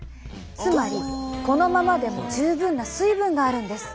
つまりこのままでも十分な水分があるんです。